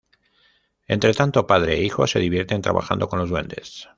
Entretanto, padre e hijo se divierten trabajando con los duendes.